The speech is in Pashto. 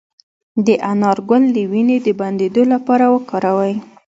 د انار ګل د وینې د بندیدو لپاره وکاروئ